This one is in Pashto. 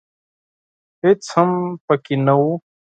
هېڅ هم پکښې نه و .